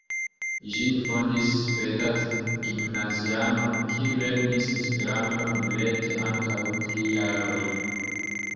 Ĝin fondis sveda gimnaziano, kiu lernis Esperanton rete antaŭ tri jaroj.